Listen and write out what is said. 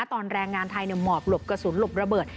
แรงงานไทยหมอบหลบกระสุนหลบระเบิด